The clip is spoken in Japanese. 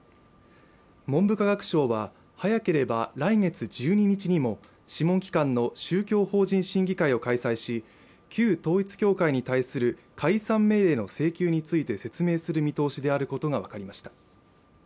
文部科学省は早ければ来月１２日にも諮問機関の宗教法人審議会を開催し旧統一教会に対する解散命令の請求について説明する見通しであることが分かりました